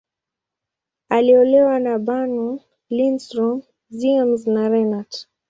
Aliolewa na Bernow, Lindström, Ziems, na Renat.